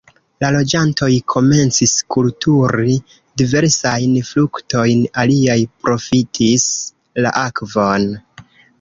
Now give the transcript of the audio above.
La loĝantoj komencis kulturi diversajn fruktojn, aliaj profitis la akvon.